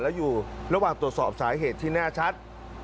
แล้วอยู่ระหว่างตรวจสอบสาเหตุที่แน่ชัด